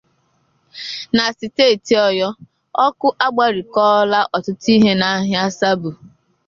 Na Steeti Oyo, Ọkụ Agbarikọọla Ọtụtụ Ihe n'Ahịa Sabo